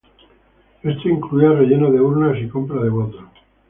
Esto incluía relleno de urnas y compra de votos.